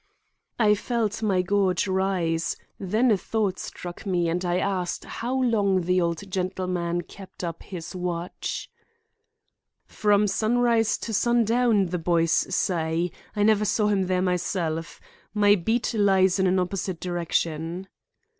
I felt my gorge rise; then a thought struck me and I asked how long the old gentleman kept up his watch. "From sunrise to sundown, the boys say. I never saw him there myself. My beat lies in an opposite direction."